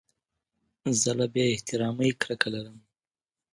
زه له بې احترامۍ کرکه لرم.